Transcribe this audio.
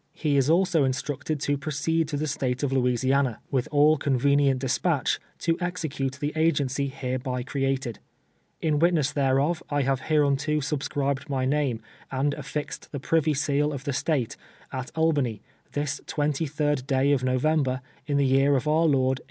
He is also instructed to proceed to the State of Louisiana ArPKXDix. 335 vnth all convenient disjiuU h, to execute the agency hereby ci'eated. In witness wlieivof, I have hereunto ftul)scril)ed my name, [l.s.] and atlixed tlie privy seal of the State, at Albany, this 23d day of November, in the year of our Lord 1852.